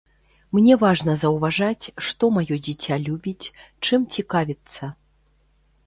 Мне важна заўважаць, што маё дзіця любіць, чым цікавіцца.